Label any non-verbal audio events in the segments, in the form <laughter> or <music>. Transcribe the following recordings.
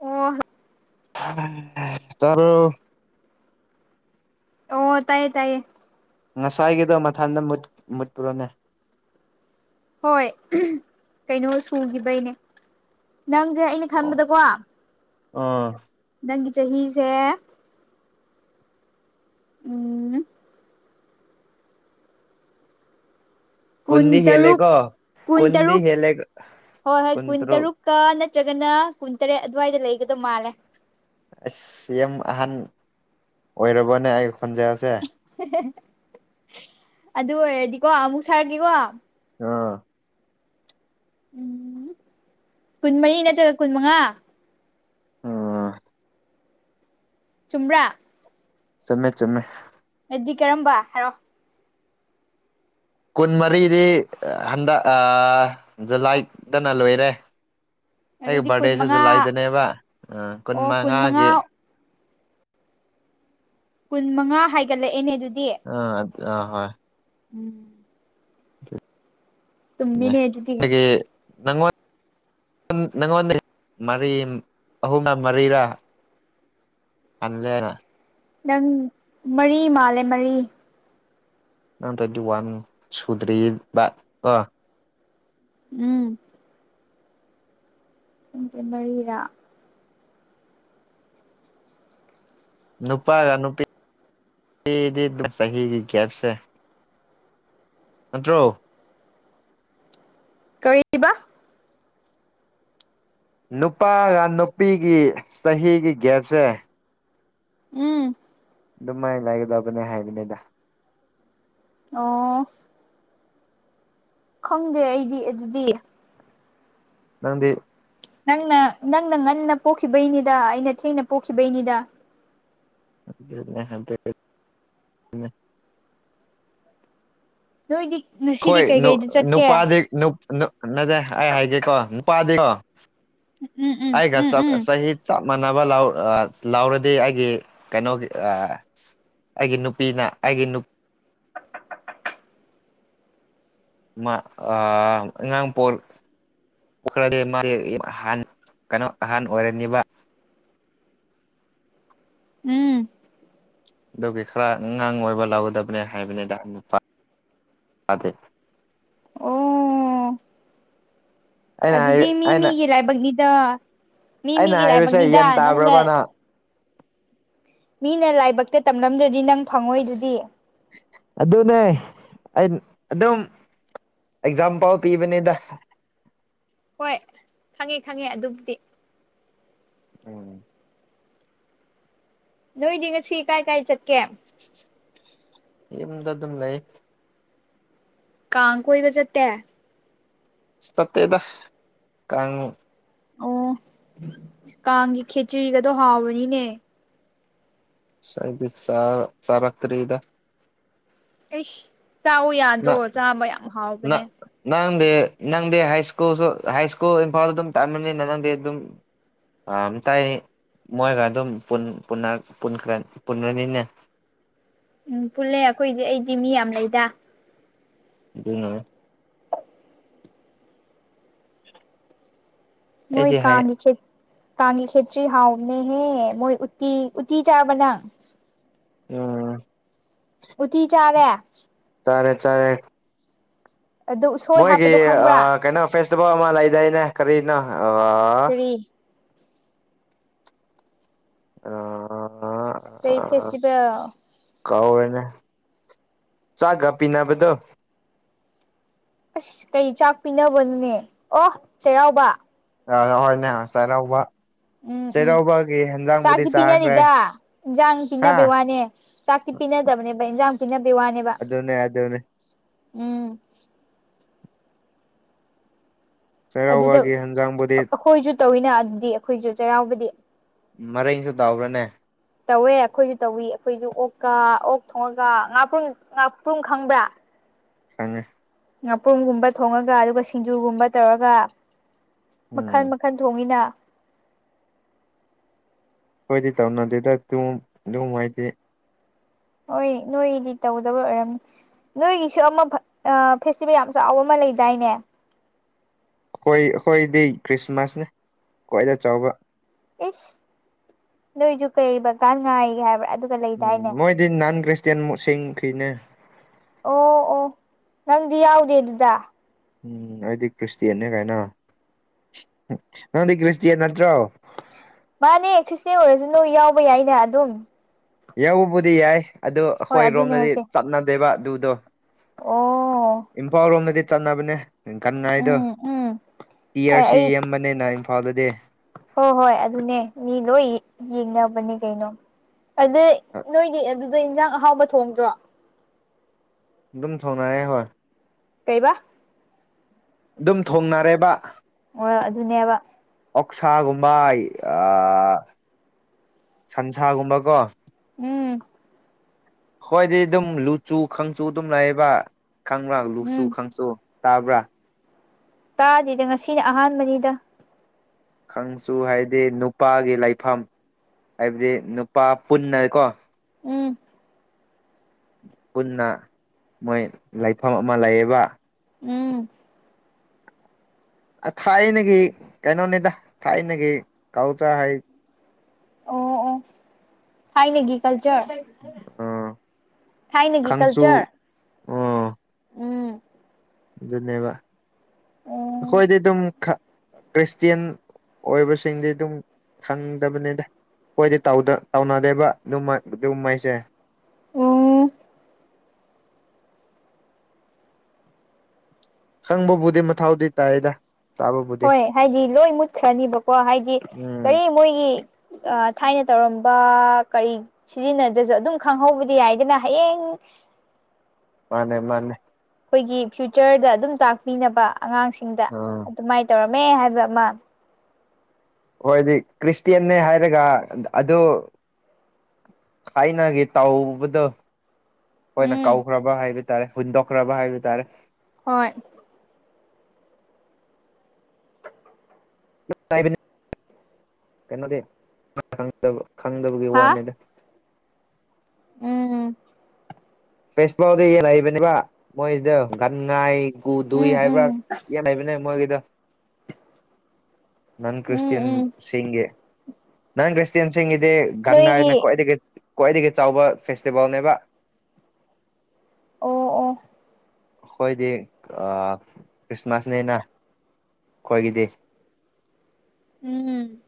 ꯑꯣ ꯇꯕꯔꯣ ꯑꯣ ꯇꯥꯏꯌꯦ ꯇꯥꯏꯌꯦ ꯉꯁꯥꯏꯒꯤꯗꯣ ꯃꯊꯟꯗ ꯃꯨꯠꯄꯨꯔꯣꯅꯦ ꯍꯣꯏ ꯀꯩꯅꯣ ꯁꯨꯈꯤꯕꯩꯅꯦ ꯅꯪꯁꯦ ꯑꯩꯅ ꯑꯣ ꯈꯟꯕꯗꯀꯣ ꯑꯥ ꯅꯪꯒꯤ ꯆꯍꯤꯁꯦ ꯎꯝ ꯀꯨꯟ ꯀꯨꯟꯗꯤ ꯇꯔꯨꯛ ꯍꯦꯜꯂꯦꯀꯣ ꯀꯨꯟ ꯀꯨꯟꯗꯤ ꯇꯔꯨꯛ ꯍꯦꯜꯂꯦ ꯍꯣꯏ ꯍꯣꯏ ꯀꯨꯟ ꯀꯨꯟꯇꯔꯨꯛ ꯇꯔꯨꯛ ꯀ ꯅꯠꯇ꯭ꯔꯒꯅ ꯀꯨꯟꯇꯔꯦꯠ ꯑꯗꯨꯋꯥꯏꯗ ꯂꯩꯒꯗꯧ ꯃꯥꯜꯂꯦ ꯑꯁ ꯌꯥꯝ ꯑꯍꯥꯟ ꯑꯣꯏꯔꯕꯅꯦ ꯑꯩ ꯈꯣꯟꯖꯔꯁꯦ ꯫ ꯑꯗꯨ ꯑꯣꯏꯔꯗꯤꯀꯣ ꯑꯃꯨꯛ ꯁꯥꯔꯛꯀꯦꯀꯣ ꯑꯥ ꯎꯝ ꯀꯨꯟꯃꯔꯤ ꯅꯠꯇ꯭ꯔꯒ ꯀꯨꯟ ꯃꯉꯥ ꯑꯥ ꯆꯨꯝꯕꯔꯥ ꯆꯨꯝꯃꯦ ꯆꯨꯝꯃꯦ ꯍꯥꯏꯗꯤ ꯀꯔꯝꯕ ꯍꯥꯏꯔꯣ ꯀꯨꯟꯃꯔꯤꯗꯤ ꯍꯟꯗꯛ ꯖꯨꯂꯥꯏꯗꯅ ꯂꯣꯏꯔꯦ ꯑꯩꯒꯤ ꯑꯗꯨꯗꯤ ꯀꯨꯟ ꯕꯥꯔꯗꯦꯁꯦ ꯃꯉꯥ ꯖꯨꯂꯥꯏꯗꯅꯦꯕ ꯀꯨꯟ ꯑꯣ ꯃꯉꯥ ꯃꯉꯥꯒꯤ ꯀꯨꯟ ꯃꯉꯥ ꯍꯥꯏꯒꯠꯂꯛꯑꯦꯅꯦ ꯑꯗꯨꯗꯤ ꯑ ꯑ ꯍꯣꯏ ꯎꯝ ꯆꯨꯝꯃꯤꯅꯦ <unintelligible> ꯑꯗꯨꯗꯤ ꯈꯣꯏꯒꯤ ꯉꯛꯉꯣꯟ ꯅꯉꯣꯟꯗ ꯃꯔꯤ ꯑꯍꯨꯝꯂ ꯃꯔꯤꯔꯥ ꯍꯜꯂꯦ ꯅꯪ ꯃꯔꯤ ꯃꯥꯜꯂꯦ ꯃꯔꯤ <unintelligible> ꯎꯝ ꯅꯥꯪꯁꯦꯃꯔꯤꯔꯥ ꯅꯨꯄꯥꯒ ꯅꯨꯄꯤ ꯅꯨꯗꯤ ꯆꯍꯤꯒꯤ ꯒꯦꯞꯁꯦ ꯅꯠꯇ꯭ꯔꯣ ꯀꯔꯤꯕꯥ ꯅꯨꯄꯥꯒ ꯅꯨꯄꯤꯒꯤ ꯆꯍꯤꯒꯤ ꯒꯦꯞꯁꯦ ꯎꯝ ꯑꯗꯨꯃꯥꯏꯅ ꯂꯥꯏꯒꯗꯧꯕꯅꯦ ꯍꯥꯏꯕꯅꯤꯗ ꯑꯣ ꯈꯪꯗꯦ ꯑꯩꯗꯤ ꯑꯗꯨꯗꯤ ꯅꯪꯗꯤ ꯅꯪꯅ ꯅꯪꯅ ꯉꯟꯅ ꯄꯣꯛꯈꯤꯕꯩꯅꯤꯗ ꯑꯩꯅ ꯊꯦꯡꯅ ꯄꯣꯛꯈꯤꯕꯩꯅꯤꯗ <unintelligible> ꯅꯣꯏꯗꯤ ꯉꯁꯤꯗꯤ ꯍꯣꯏ ꯅꯨ ꯀꯩꯀꯩꯗ ꯆꯠꯀꯦ ꯅꯨꯄꯥꯗꯤ <unintelligible> ꯎꯝ ꯎꯝ ꯎꯝ ꯎꯝ ꯆꯍꯤ ꯆꯞ ꯃꯥꯟꯅꯕ ꯂꯥꯎ ꯂꯥꯎꯔꯗꯤ ꯑꯩꯒꯤ ꯀꯩꯅꯣꯒꯤ ꯑꯩꯒꯤ ꯅꯨꯄꯤꯅ ꯑꯩꯒꯤ ꯅꯨ ꯃꯥ ꯑ ꯉꯉꯥꯡ ꯄꯣꯛ ꯈꯍ ꯀꯩꯅꯣ ꯑꯍꯥꯟ ꯑꯣꯏꯔꯅꯤꯕ ꯎꯝ ꯑꯗꯨꯒꯤ ꯈꯔ ꯑꯉꯥꯡ ꯑꯣꯏꯕ ꯂꯧꯒꯗꯕꯅꯦ ꯍꯥꯏꯕꯅꯤꯗ ꯅꯨꯄꯥꯗꯤ ꯑꯣ ꯑꯩꯅ ꯍꯥꯏ ꯑꯗꯨꯗꯤ ꯃꯤ ꯑꯩꯅ ꯃꯤꯒꯤ ꯂꯥꯏꯕꯛꯅꯤꯗ ꯃꯤ ꯑꯩꯅ ꯃꯤꯒꯤ ꯍꯥꯏꯕꯁꯦ ꯂꯥꯏꯕꯛꯅꯤꯗ ꯌꯦꯟ ꯅꯪꯅ ꯇꯥꯕ꯭ꯔꯕ ꯅꯪ ꯃꯤꯅ ꯂꯥꯏꯕꯛꯇ ꯇꯝꯂꯝꯗ꯭ꯔꯗꯤ ꯅꯪ ꯐꯪꯉꯣꯏ ꯑꯗꯨꯗꯤ ꯑꯗꯨꯅꯦ ꯑꯩ ꯑꯗꯨꯝ ꯑꯦꯛꯖꯥꯝꯄꯥꯟ ꯄꯤꯕꯅꯦꯗ ꯍꯣꯏ ꯈꯪꯉꯦ ꯈꯪꯉꯦ ꯑꯗꯨꯕꯨꯗꯤ ꯎꯝ ꯅꯣꯏꯗꯤ ꯉꯁꯤ ꯀꯥꯏ ꯀꯥꯏ ꯆꯠꯀꯦ ꯌꯨꯝꯗ ꯑꯗꯨꯝ ꯂꯩ ꯀꯥꯡ ꯀꯣꯏꯕ ꯆꯠꯇꯦ ꯁꯠꯇꯦꯗ ꯀꯥꯡ ꯑꯣ ꯀꯥꯡꯒꯤ ꯈꯦꯆꯔꯤꯒꯗꯣ ꯍꯥꯎꯕꯅꯤꯅꯦ ꯑꯩꯗꯤ ꯁꯥ ꯆꯔꯛꯇꯔꯤꯗ ꯑꯩꯁ ꯆꯥꯎ ꯌꯥꯗ꯭ꯔꯣ ꯅꯪ ꯆꯥꯕ ꯌꯥꯝ ꯍꯥꯎꯕꯅꯦ ꯅꯪ ꯅꯪꯗꯤ ꯅꯪꯗꯤ ꯍꯥꯏꯁ꯭ꯀꯨꯜꯁꯨ ꯍꯥꯏꯁ꯭ꯀꯨꯜ ꯏꯝꯐꯥꯜꯗ ꯑꯗꯨꯝ ꯇꯥꯝꯕꯅꯤꯅ ꯅꯪꯗꯤ ꯑꯗꯨꯝ ꯑ ꯇꯥꯏ ꯃꯣꯏꯒ ꯑꯗꯨꯝ ꯄꯨꯟꯈꯔꯥꯅꯤꯅꯦ ꯎꯝ ꯄꯨꯜꯂꯦ ꯑꯩꯈꯣꯏꯗꯤ ꯑꯩꯗꯤ ꯃꯤ ꯌꯥꯝ ꯂꯩꯗ ꯑꯗꯨꯅ ꯃꯣꯏ ꯑꯩꯗꯤ ꯍꯥꯏ ꯀꯥꯡꯒꯤ ꯀꯥꯡ ꯈꯦꯆꯔꯤ ꯍꯥꯎꯕꯅꯦꯃꯤ ꯃꯣꯏ ꯎꯇꯤ ꯎꯇꯤ ꯆꯥꯔꯕ ꯅꯪ ꯎꯝ ꯎꯊꯤ ꯆꯥꯔꯦ ꯆꯥꯔꯦ ꯆꯔꯦ ꯑꯗꯣ ꯎꯁꯣꯏ ꯃꯣꯏꯒꯤ ꯍꯥꯞꯄꯗꯣ ꯈꯪꯕ꯭ꯔꯥ ꯀꯩꯅꯣ ꯐꯦꯁꯇꯤꯚꯦꯜ ꯑꯃ ꯂꯩꯗꯥꯏꯅꯦ ꯀꯔꯤꯅꯣ ꯀꯔꯤ ꯀꯔꯤ ꯐꯦꯁꯇꯤꯚꯦꯜ <unintelligible> ꯀꯥꯎꯔꯦꯅꯦ ꯆꯥꯛꯀꯥ ꯄꯤꯅꯥꯕꯗꯣ ꯑꯁ ꯀꯩ ꯆꯥꯛ ꯄꯤꯅꯕꯅꫭꯅꯦ ꯑꯣ ꯆꯩꯔꯥꯎꯕ UNINTELLIGIBLE ꯆꯩꯔꯥꯎꯕ ꯎꯝ ꯎꯝ ꯆꯩꯔꯥꯎꯕꯒꯤ ꯍꯦꯟꯖꯥꯡꯕꯨꯗꯤ ꯆꯥꯛꯇꯤ ꯄꯤꯅꯗꯦ ꯆꯥꯈ꯭ꯔꯦ ꯏꯟꯁꯥꯡ ꯍꯥ ꯄꯤꯅꯕꯩ ꯋꯥꯅꯦ ꯆꯥꯛꯇꯤ ꯄꯤꯅꯗꯕꯅꯦꯕ ꯏꯟꯖꯥꯡ ꯄꯤꯅꯕꯒꯤ ꯋꯥꯅꯦꯕ ꯑꯗꯨꯅꯦ ꯑꯗꯨꯅꯦ ꯎꯝ ꯑꯗꯨꯗ ꯆꯩꯔꯥꯎꯕꯒꯤ ꯍꯦꯟꯖꯥꯡꯕꯨꯗꯤ ꯑꯩꯈꯣꯏꯁꯨ ꯇꯧꯋꯤꯅ ꯑꯗꯨꯗꯤ ꯑꯩꯈꯣꯏꯁꯨ ꯆꯩꯔꯥꯎꯕꯗꯤ ꯃꯔꯩꯁꯨ ꯇꯥꯎꯔꯅꯦ ꯇꯧꯋꯦ ꯑꯩꯈꯣꯏꯁꯨ ꯇꯧꯏꯤ ꯑꯩꯈꯣꯏꯁꯨ ꯑꯣꯛꯀ ꯑꯣꯛ ꯊꯣꯡꯉꯒ ꯉꯥꯄ꯭ꯔꯨꯝ ꯉꯥꯄ꯭ꯔꯨꯝ ꯈꯪꯕꯔꯥ ꯈꯛꯉꯦ꯫ ꯉꯥꯄ꯭ꯔꯨꯝꯒꯨꯝꯕ ꯊꯣꯡꯉꯒ ꯑꯗꯨꯒ ꯁꯤꯡꯖꯨꯒꯨꯝꯕ ꯇꯧꯔꯒ ꯃꯈꯜ ꯎꯝ ꯃꯈꯜ ꯊꯣꯡꯉꯤꯅ ꯑꯩꯈꯣꯏꯗꯤ ꯇꯧꯅꯗꯦꯗ ꯑꯗꯨꯝ ꯑꯗꯨꯝ ꯃꯥꯏꯗꯤ ꯍꯣꯏ ꯅꯣꯏꯗꯤ ꯇꯧꯗꯕ ꯑꯣꯏꯔꯝꯅꯤ ꯅꯣꯏꯒꯤꯁꯨ ꯑꯃ ꯐꯦꯁꯇꯤꯚꯦꯜ ꯌꯥꯝ ꯆꯥꯎꯕ ꯑꯃ ꯂꯩꯗꯥꯏꯅꯦ ꯑꯩꯈꯣꯏ ꯑꯩꯈꯣꯏꯗꯤ ꯈ꯭ꯔꯤꯁꯃꯥꯁꯅꯦ ꯈ꯭ꯋꯥꯏꯗꯒꯤ ꯆꯥꯎꯕ ꯏꯁ ꯅꯣꯏꯁꯨ ꯀꯩ ꯕꯀꯥꯟ ꯉꯥꯏꯒꯦ ꯍꯥꯏꯕ꯭ꯔꯥ ꯑꯗꯨ ꯎꯝ ꯃꯣꯏꯗꯤ ꯅꯟ ꯈ꯭ꯔꯤꯁꯇꯟ ꯃꯁꯤ ꯐꯤꯅꯦ ꯑꯣ ꯑꯣ ꯅꯪꯗꯤ ꯌꯥꯎꯗꯦ ꯑꯗꯨꯗ ꯎꯝ ꯑꯩꯗꯤ ꯈ꯭ꯔꯤꯁꯇꯌꯥꯟꯅꯦ ꯀꯥꯏꯅꯣ ꯅꯪꯗꯤ ꯈ꯭ꯔꯤꯁꯇꯌꯥꯟ ꯅꯠꯇ꯭ꯔꯣ ꯃꯥꯅꯦ ꯈ꯭ꯔꯤꯁꯇꯦꯟ ꯑꯣꯏꯔꯁꯨ ꯅꯣꯏ ꯌꯥꯎꯕ ꯌꯥꯏꯅ ꯑꯗꯨꯝ ꯌꯧꯕꯕꯨꯗꯤ ꯌꯥꯏ ꯑꯗꯨ ꯍꯣꯏ ꯑꯗꯨꯅꯦ ꯑꯩꯈꯣꯏꯔꯣꯝꯗꯗꯤ ꯍꯥꯏꯁꯦ ꯆꯠꯅꯗꯦꯕ ꯑꯗꯨꯗꯣ ꯑꯣ ꯏꯝꯐꯥꯜ ꯔꯣꯝꯗꯗꯤ ꯆꯠꯅꯕꯅꯦ ꯀꯟ ꯉꯥꯏꯗꯣ ꯎꯝ ꯎꯝ ꯍꯣꯏ ꯇꯤꯌꯔꯁꯤ ꯑꯩ ꯌꯦꯕꯅꯤꯅ ꯏꯝꯐꯥꯜꯗꯗꯤ ꯍꯣꯏ ꯍꯣꯏ ꯑꯗꯨꯅꯦ ꯃꯤ ꯂꯣꯏ ꯌꯦꯡꯅꯕꯅꯦ ꯀꯩꯅꯣ ꯑꯗꯨꯗ ꯅꯣꯏꯗꯤ ꯑꯗꯨꯗ ꯌꯦꯟꯖꯥꯡ ꯑꯍꯥꯎꯕ ꯊꯣꯡꯗ꯭ꯔꯣ ꯑꯗꯨꯝ ꯊꫭꯡꯅꯔꯑꯦ ꯍꯣꯏ ꯀꯩꯕꯥ ꯑꯗꯨꯝ ꯊꯣꯡꯅꯔꯦꯕ ꯍꫭꯏ ꯑꯗꯨꯅꯦꯕ ꯑꯣꯛꯁꯥꯒꯨꯝꯕ ꯑꯥ ꯁꯟꯁꯥꯒꯨꯝꯕꯀꯣ ꯎꯝ ꯍꯣꯏꯗꯤ ꯑꯗꯨꯝ ꯂꯨꯆꯨ ꯈꯪꯆꯨ ꯑꯗꯨꯝ ꯂꯥꯛꯌꯦꯕ ꯈꯪꯕ꯭ꯔꯥ ꯂꯨꯆꯨ ꯎꯝ ꯈꯪꯆꯨ ꯇꯥꯕ꯭ꯔꯥ ꯇꯥꯗ꯭ꯦꯗꯥ ꯉꯁꯤꯅ ꯑꯍꯥꯟꯕꯅꯤꯗ ꯈꯪꯁꯨ ꯍꯥꯏꯕꯗꯤ ꯅꯨꯄꯥꯒꯤ ꯂꯩꯐꯝ ꯍꯥꯏꯕꯗꯤ ꯅꯨꯄꯥ ꯄꯨꯟꯅꯀꯣ ꯎꯝ ꯄꯨꯟꯅ ꯃꯣꯏ ꯂꯩꯐꯝ ꯑꯃ ꯂꯩꯌꯦꯕ ꯎꯝ ꯊꯥꯏꯅꯒꯤ ꯀꯩꯅꯣꯅꯤꯗ ꯊꯥꯏꯅꯒꯤ ꯀꯧꯇ ꯍꯥꯏ ꯑꯣ ꯑꯣ ꯊꯥꯏꯅꯒꯤ ꯀꯜꯆꯔ ꯑꯥ ꯊꯥꯏꯅꯒꯤ ꯀꯜꯆꯔ ꯈꯪꯁꯨ ꯑꯣ ꯎꯝ ꯑꯗꯨꯅꯦꯕ ꯎꯝ ꯑꯩꯈꯣꯏꯗꯤ ꯑꯗꯨꯝ ꯈ꯭ꯔꯤꯁꯇꯟ ꯑꯣꯏꯕꯁꯤꯡꯗꯤ ꯑꯗꯨꯝ ꯈꯪꯗꯕꯅꯦꯗ ꯑꯩꯈꯣꯏꯗꯤ ꯇꯧꯅꯗꯦꯕ ꯑꯗꯨꯝ ꯑꯗꯨꯝꯃꯩꯁꯦ ꯑꫭ ꯈꯪꯕꯕꯨꯗꯤ ꯃꯊꯊꯧꯗꯤ ꯇꯥꯏꯗ ꯇꯥꯕꯕꯨꯗꯤ ꯍꯣꯏ ꯍꯥꯏꯗꯤ ꯂꯣꯏ ꯃꯨꯠꯈ꯭ꯔꯅꯤꯕꯀꯣ ꯍꯥꯏꯗꯤ ꯎꯝ ꯀꯔꯤ ꯃꯣꯏꯒꯤ ꯊꯥꯏꯅ ꯇꯧꯔꯝꯕ ꯀꯔꯤ ꯁꯤꯖꯤꯟꯅꯗ꯭ꯔꯁꯨ ꯑꯗꯨꯝ ꯈꯪꯍꯧꯕꯗꯤ ꯌꯥꯏꯗꯅ ꯍꯌꯦꯡ ꯃꯥꯅꯦ ꯃꯥꯅꯦ ꯑꯩꯈꯣꯏꯒꯤ ꯐ꯭ꯌꯨꯆꯔꯗ ꯑꯗꯨꯝ ꯇꯥꯛꯄꯤꯅꯕ ꯑꯉꯥꯡꯁꯤꯡꯗ ꯑꯥ ꯑꯗꯨꯃꯥꯏꯅ ꯇꯧꯔꯝꯃꯦ ꯍꯥꯏꯕ ꯑꯃ ꯍꯣꯏꯗꯤ ꯈ꯭ꯔꯤꯁꯇꯌꯥꯟꯅꯦ ꯍꯥꯏꯔꯒ ꯑꯗꯨ ꯊꯥꯏꯅꯒꯦ ꯇꯥꯎꯕꯗꯣ ꯑꯩꯈꯣꯏꯅ ꯎꯝ ꯀꯧꯈ꯭ꯔꯕ ꯍꯥꯏꯕ ꯇꯥꯔꯦ ꯍꯨꯟꯗꯣꯛꯈ꯭ꯔꯕ ꯍꯥꯏꯕ ꯇꯥꯔꯦ ꯍꯣꯏ ꯀꯩꯅꯣꯗꯤ ꯈꯪꯗꯕꯒꯤ ꯋꯥꯅꯤꯗ ꯎꯝ ꯎꯝ ꯐꯦꯁ ꯐꯥꯎꯗꯤ ꯂꯩꯕꯅꯦꯕ ꯃꯣꯏꯗꫭ ꯒꯥꯟ ꯉꯥꯏ ꯒꯨꯗꯨꯨꯏ ꯎꯝ ꯍꯥꯏꯕ꯭ꯔꯥ ꯎꯝ ꯌꯦꯟ ꯂꯩꯕꯅꯦ ꯃꫭꯏꯒꯤꯗꫭ ꯅꯪ ꯎꯝ ꯀ꯭ꯔꯤꯁꯇꯌꯟ ꯎꯝ ꯁꯤꯒꯤ ꯅꯪ ꯀ꯭ꯔꯤꯁꯇꯟ ꯁꯤꯒꯤꯗꯤ ꯒꯥꯟ ꯉꯥꯏ ꯅꯣꯏꯒꯤ ꯈꯨꯋꯥꯏꯗꯒꯤ ꯈ꯭ꯋꯥꯏꯗꯒꯤ ꯆꯥꯎꯕ ꯐꯦꯁꯇꯤꯚꯦꯜꯅꯦꯕ ꯑꯣ ꯑꯣ ꯑꯩꯈꯣꯏꯗꯤ ꯈ꯭ꯔꯤꯁꯃꯥꯁꯅꯤꯅ ꯑꯩꯈꯣꯏꯒꯤꯗꯤ ꯎꯝ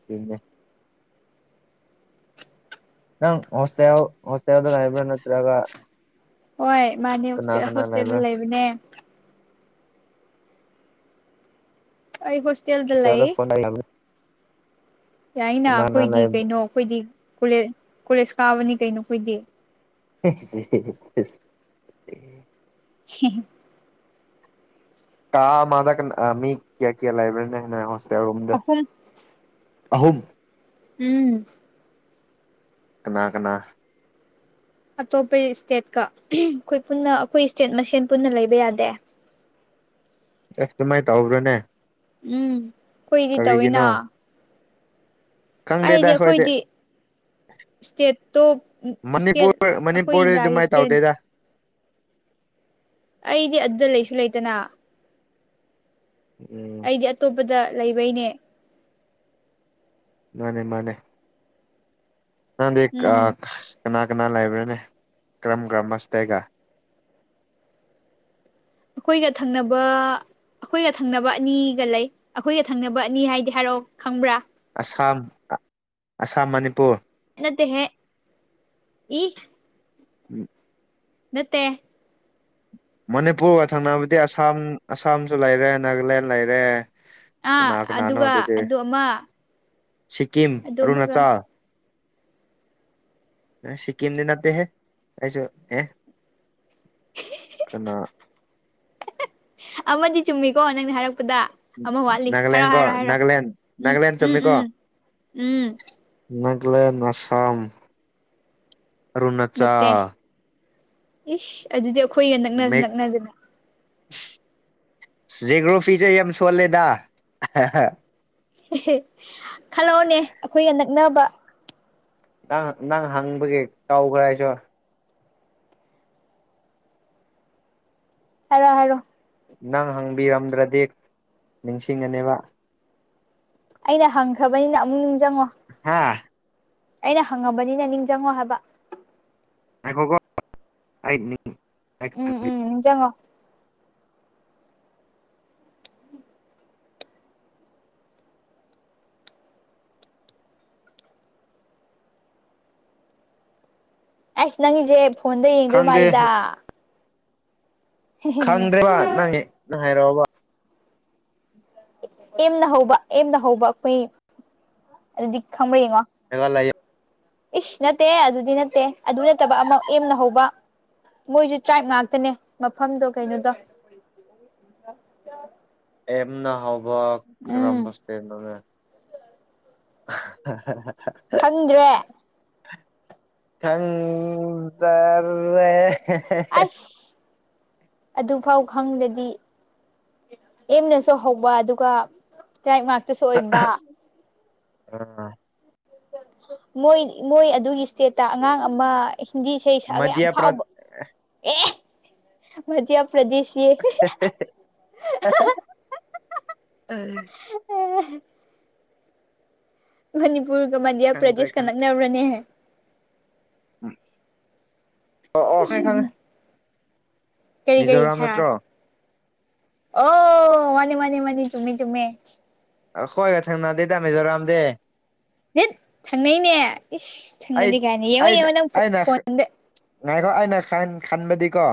<unintelligible> ꯅꯪ ꯍꯣꯁꯇ ꯍꯁꯇ ꯌꯥꯗ ꯂꯥꯏꯕ꯭ꯔꯦꯟ ꯅꯠꯇ꯭ꯔꯒ ꯍꯣꯏ ꯃꯥꯅꯦ ꯀꯅꯥ ꯀꯅꯥ ꯍꯣꯁꯇꯦꯜꯗ ꯂꯩꯕ꯭ꯔꯥ ꯂꯩꯕꯅꯦ ꯑꯩ ꯍꯣꯁꯇꯦꯜꯗꯂ ꯑꯩ <unintelligible> ꯌꯥꯏꯅ ꯀꯅꯥ ꯀꯅꯥ ꯑꯩꯈꯣꯏꯗꯤ ꯂꯩꯕ꯭ꯔꯥ ꯀꯩꯅꯣ ꯑꯩꯈꯣꯏꯗꯤ ꯀꯣꯂꯦꯖ ꯀꯣꯂꯦꯖ ꯀꯥꯕꯅꯤ ꯀꯩꯅꯣ ꯑꯩꯈꯣꯏꯗꯤ <inaudible> <unintelligible> ꯀꯥ ꯃꯥꯗ ꯃꯤ ꯀꯌꯥ ꯀꯌꯥ ꯂꯥꯏꯕ꯭ꯔꯦꯔꯤꯅ ꯍꯣꯁꯇꯦꯜ ꯔꯗ ꯑꯍꯨꯝ ꯑꯍꯨꯝ ꯎꯝ ꯀꯅꯥ ꯀꯅꯥ ꯑꯇꯣꯞꯄ ꯏꯁꯇꯦꯠꯀ ꯑꯩꯈꯣꯏ ꯄꯨꯟꯅ ꯑꯩꯈꯣꯏ ꯏꯁꯇꯦꯠ ꯃꯁꯦꯟ ꯄꯨꯟꯅ ꯂꯩꯕ ꯌꯥꯗꯦ ꯑꯁ ꯑꯗꯨꯃꯥꯏꯅ ꯇꯧꯕ꯭ꯔꯣꯅꯦ ꯎꯝ ꯀꯨꯏꯗꯤ ꯇꯧꯋꯤꯅ ꯑꯩꯗꯤ ꯀꯪꯗꯦꯗꯈꯣꯏꯗꯦ ꯑꯩꯈꯣꯏꯗꯤ ꯏꯁꯇꯦꯠꯇꯣ ꯏꯁꯇꯦꯠ ꯃꯅꯤꯄꯨꯔ ꯑꯩꯈꯣꯏ ꯃꯅꯤꯄꯨꯔ ꯏꯟꯗꯤꯌꯥꯒꯤ ꯑꯗꯨꯃꯥꯏꯅ ꯏꯁꯇꯦꯠ ꯇꯧꯗꯣꯏꯗ ꯑꯩꯗꯤ ꯑꯗꯨꯗ ꯂꯩꯁꯨ ꯂꯩꯇꯅ ꯎꯝ ꯑꯩꯗꯤ ꯑꯇꯣꯞꯄꯗ ꯂꯩꯕꯩꯅꯦ ꯃꯥꯅꯦ ꯃꯥꯅꯦ ꯅꯗꯤ ꯎꯝ ꯀꯅꯥ ꯀꯅꯥ ꯂꯩꯕ꯭ꯔꯦꯅꯦ ꯀꯔꯝ ꯀꯔꯝꯕ ꯑꯁꯤꯗꯩꯒ ꯑꯩꯈꯣꯏꯒ ꯊꯪꯅꯕ ꯑꯩꯈꯣꯏꯒ ꯊꯪꯅꯕ ꯑꯅꯤꯒ ꯂꯩ ꯑꯩꯈꯣꯏꯒ ꯊꯪꯅꯕ ꯑꯅꯤ ꯍꯥꯏꯗꯤ ꯍꯥꯏꯔꯛꯑꯣ ꯈꯪꯕ꯭ꯔꯥ ꯑꯁꯥꯝ ꯑꯁꯥꯝ ꯃꯅꯤꯄꯨꯔ ꯅꯠꯇꯦ ꯍꯦ ꯏ <inaudible> ꯅꯠꯇꯦ ꯃꯅꯤꯄꯨꯔꯒ ꯊꯪꯅꯕꯗꯤ ꯑꯁꯥꯝ ꯑꯁꯥꯝꯁꯨ ꯂꯩꯔꯦ ꯅꯥꯒꯥꯂꯦꯟ ꯂꯩꯔꯦ ꯑꯥ ꯀꯅꯥ ꯀꯅꯥꯅꯣ ꯑꯗꯨꯒ ꯑꯗꯨꯗꯤ ꯑꯗꯨ ꯑꯃ ꯁꯤꯛꯀꯤꯝ ꯑꯗꯨ ꯑꯃꯒ ꯑꯔꯨꯅꯥꯆꯜ ꯁꯤꯀꯤꯝꯗ ꯅꯠꯇ ꯍꯦ ꯑꯩꯁꯨ ꯑꯦ ꯀꯩꯅꯣ ꯑꯃꯗꯤ ꯆꯨꯝꯃꯤꯀꯣ ꯅꯪꯅ ꯍꯥꯏꯔꯛꯄꯗ ꯑꯃ ꯋꯥꯠꯂꯤ ꯅꯥꯒꯥꯂꯦꯟ ꯍꯥꯏꯔꯣ ꯀꯣ ꯍꯥꯏꯔꯣ ꯍꯥꯏꯔꯣ ꯅꯥꯒꯥꯂꯦꯟ ꯎꯝ ꯅꯥꯒꯥꯂꯦꯟ ꯎꯝ ꯆꯃꯤ ꯀꯣ ꯎꯝ ꯎꯝ ꯅꯥꯒꯂꯦꯟ ꯑꯁꯥꯝ ꯅꯠꯇꯦ ꯑꯔꯨꯅꯥꯆꯜ ꯏꯁ ꯑꯗꯨꯗꯤ ꯑꯩꯈꯣꯏꯒ ꯅꯛꯅꯁꯨ ꯅꯛꯅꯗꯅ ꯖꯣꯒꯔꯥꯐꯤꯁꯦ ꯌꯥꯝ ꯁꯣꯜꯂꯦꯗ ꯈꯜꯂꯛꯑꯣꯅꯦ ꯑꯩꯈꯣꯏꯒ ꯅꯛꯅꯕ ꯅꯪ ꯅꯪ ꯍꯪꯕꯒꯤ ꯀꯥꯎꯈ꯭ꯔ ꯍꯥꯏꯁꯨ ꯍꯥꯏꯔꯣ ꯍꯥꯏꯔꯣ ꯅꯪ ꯍꯪꯕꯤꯔꯝꯗ꯭ꯔꯗꯤ ꯅꯤꯡꯁꯤꯡꯉꯅꯦꯕ ꯑꯩꯅ ꯍꯪꯈ꯭ꯔꯕꯅꯤꯅ ꯑꯃꯨꯛ ꯅꯤꯡꯁꯤꯡꯉꯣ ꯍꯥꯥ ꯑꯩꯅ ꯍꯪꯉꯕꯅꯤꯅ ꯅꯤꯡꯁꯤꯡꯪꯉꯣ ꯍꯥꯏꯕ ꯑꯩꯈꯒꯣ ꯍꯥꯏ ꯎꯝ ꯎꯝ ꯆꯉꯣ ꯑꯩꯁ ꯅꯪꯒꯤꯁꯦ ꯐꯣꯟꯗ ꯌꯦꯡꯗꯣꯏ ꯈꯪꯗꯦ ꯃꯥꯜꯂꯤꯗ ꯈꯪꯗ꯭ꯔꯦꯕ ꯅꯪ ꯅꯪ ꯍꯥꯏꯔꯛꯑꯣꯕ ꯑꯦꯝꯅ ꯍꯧꯕ ꯑꯦꯝꯅ ꯍꯧꯕ ꯑꯩꯈꯣꯏ ꯑꯗꯨꯗꯤ ꯈꯪꯕ꯭ꯔ ꯌꯦꯡꯉꯣ ꯒꯥ ꯂꯩ ꯏꯁꯁ ꯅꯠꯇꯦ ꯑꯗꯨꯗꯤ ꯅꯠꯇꯦ ꯑꯗꯨ ꯅꯠꯇꯕ ꯑꯃ ꯑꯦꯝꯅ ꯍꯧꯕ ꯃꯣꯏꯁꯨ ꯇ꯭ꯔꯥꯏꯕ ꯉꯥꯛꯇꯅꯦ ꯃꯐꯝꯗꯣ ꯀꯩꯅꯣꯗꯣ ꯑꯦꯝꯅ ꯍꯥꯎꯕ ꯎꯝ ꯀ꯭ꯔꯝꯕ ꯁꯇꯦꯟ ꯅꯣꯅꯦ <inaudible> ꯈꯪꯗ꯭ꯔꯦ ꯈꯪꯗꯔꯦ ꯑꯁ ꯑꯗꯨꯐꯥꯎ ꯈꯪꯗ꯭ꯔꯗꯤ ꯑꯦꯝꯅꯁꯨ ꯍꯧꯕ ꯑꯗꯨꯒ ꯇꯔꯥꯞ ꯉꯥꯛꯇꯁꯨ ꯑꯣꯏꯕ ꯎꯝ ꯃꯣꯏ ꯃꯣꯏ ꯑꯗꯨꯒꯤ ꯏꯁꯇꯦꯠꯇ ꯑꯉꯥꯡ ꯑꯃ ꯍꯤꯟꯗꯤ ꯏꯁꯩ ꯁꯛꯑꯒ ꯌꯥꯝ ꯃꯙ꯭ꯌ ꯄ꯭ꯔ ꯐꯥꯎꯕ ꯑꯦ ꯃꯙꯌꯥ ꯄ꯭ꯔꯖꯤꯁ <unintelligible> ꯃꯅꯤꯄꯨꯔꯒ ꯃꯙ꯭ꯌꯥ ꯈꯪꯗ꯭ꯔꯦ ꯄ꯭ꯔꯗꯦꯁꯀ ꯈꯪ ꯅꯛ ꯅꯔꯅꯦꯍ ꯎꯝ ꯑꯣ ꯑꯣ ꯈꯪꯉꯦ ꯀꯔꯤ ꯀꯔꯤ ꯃꯤꯖꯣꯔꯥꯝ ꯅꯠꯇ꯭ꯔꯣ ꯍꯥꯏꯔꯣ ꯑꯣ ꯃꯥꯅꯤ ꯃꯥꯅꯤ ꯃꯥꯅꯤ ꯆꯨꯝꯃꯤ ꯆꯨꯨꯝꯃꯦ ꯑꯈꯣꯏꯒ ꯊꯪꯅꯗꯦ ꯇꯗꯥꯃꯤꯖꯣꯔꯥꯝꯗꯤ ꯍꯠ ꯊꯪꯅꯩꯅꯦ ꯏꯁ ꯑꯩ ꯊꯪꯅꯗꯤ ꯀꯥꯏꯅꯤ ꯌꯦꯡꯉꯣ ꯑꯩ ꯌꯦꯡꯉꯣ ꯅꯪ ꯑꯩꯅ ꯐꯣꯟꯗ ꯉꯥꯏꯈꯣ ꯑꯩꯅ ꯈꯟꯕꯗꯤꯀꯣ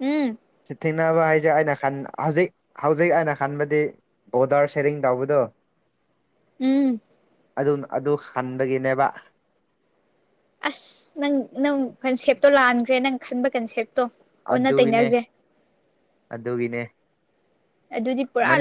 ꯎꯝ ꯁꯤ ꯊꯦꯡꯅꯕ ꯍꯥꯏꯁꯦ ꯑꯩꯅ ꯈꯟ ꯍꯧꯖꯤꯛ ꯍꯧꯖꯤꯛ ꯑꯩꯅ ꯈꯟꯕꯗꯤ ꯕꯤꯗꯔ ꯁꯦꯔꯤꯡ ꯇꯕꯗꯣ ꯎꯝ ꯑꯗꯨ ꯑꯗꯨ ꯍꯟꯕꯒꯤꯅꯦꯕ ꯑꯁ ꯅꯪ ꯅꯪ ꯀꯟꯁꯦꯞꯇꯣ ꯂꯥꯟꯈ꯭ꯔꯦ ꯅꯪ ꯈꯟꯕ ꯀꯟꯁꯦꯞꯇꯣ ꯑꯣꯟꯅ ꯑꯗꯨꯒꯅꯦ ꯇꯩꯅꯈ꯭ꯔꯦ ꯑꯗꯨꯒꯅꯦ ꯑꯗꯨꯗꯤ ꯄꯨꯔꯥ